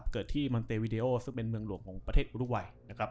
เกิดที่มันเตเวรี่โอซึ่งเป็นเมืองหลวงของประเทศอูรุกไว